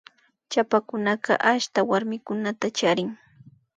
Chapakunaka ashta warmikunata charin